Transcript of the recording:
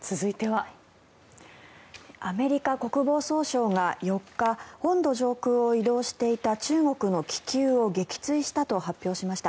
アメリカ国防総省が４日本土上空を移動していた中国の気球を撃墜したと発表しました。